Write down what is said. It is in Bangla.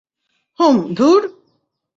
হুম, ধুর!